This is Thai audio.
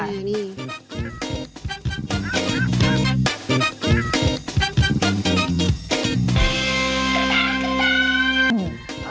โอเคนี่